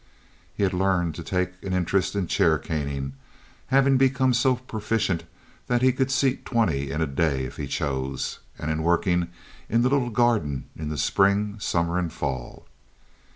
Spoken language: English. He had learned to take an interest in chair caning, having become so proficient that he could seat twenty in a day if he chose, and in working in the little garden in spring, summer, and fall.